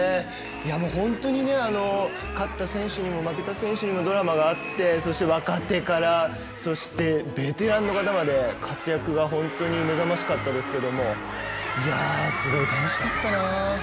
本当に勝った選手にも負けた選手にもドラマがあって、若手からそして、ベテランの方まで活躍が目覚しかったですがすごい楽しかったな。